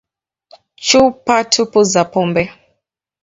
Chupa tupu za pombe